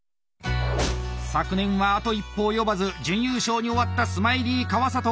昨年はあと一歩及ばず準優勝に終わったスマイリー川里。